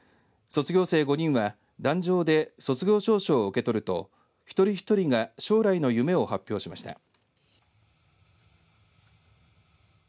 卒業生５人は壇上で卒業証書を受け取るとひとりひとりが将来の夢を発表しました。